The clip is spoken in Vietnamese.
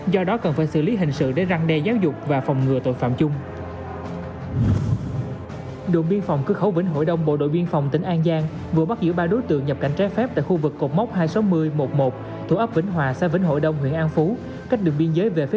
do đó cần phải xử lý hình sự để răng đe giáo dục và phòng ngừa tội phạm chung